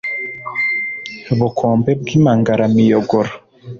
Bukombe bw’ impangaramiyogoro